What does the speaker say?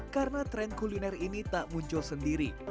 karena tren kuliner ini tak muncul sendiri